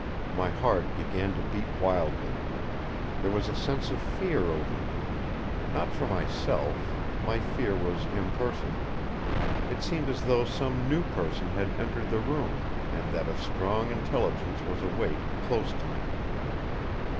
My heart began to beat wildly. There was a sense of fear over me. Not for myself; my fear was impersonal. It seemed as though some new person had entered the room, and that a strong intelligence was awake close to me.